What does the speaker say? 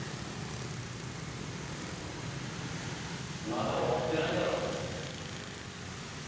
まだ終わってないだろ。